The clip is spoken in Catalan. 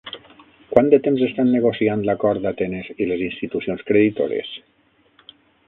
Quant de temps estan negociant l'acord Atenes i les institucions creditores?